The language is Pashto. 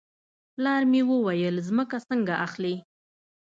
پلار مې وویل ځمکه څنګه اخلې.